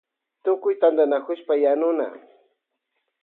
Tutkuy tantanakushpa yanuna.